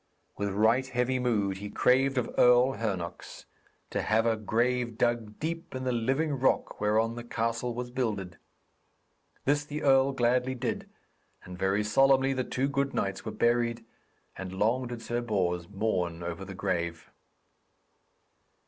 With right heavy mood he craved of Earl Hernox to have a grave dug deep in the living rock whereon the castle was builded. This the earl gladly did, and very solemnly the two good knights were buried, and long did Sir Bors mourn over the grave.